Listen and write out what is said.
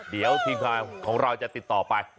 เดี๋ยวทีมงานของเราจะติดต่อไป